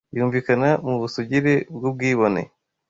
Yunvikana mu busugire bw'ubwibone,